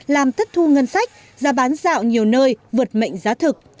làm thất thu ngân sách ra bán rạo nhiều nơi vượt mệnh giá thực